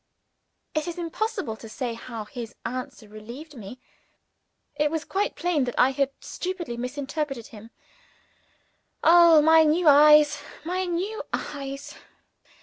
It is impossible to say how his answer relieved me. It was quite plain that I had stupidly misinterpreted him. Oh, my new eyes! my new eyes!